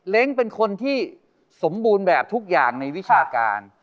เป็นคนที่สมบูรณ์แบบทุกอย่างในวิชาการ